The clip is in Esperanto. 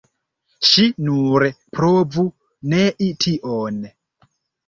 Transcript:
Ŝi nur provu nei tion!